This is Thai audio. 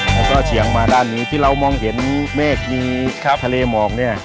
แล้วก็เฉียงมาด้านนี้ที่เรามองเห็นเมฆมีทะเลหมอกเนี่ย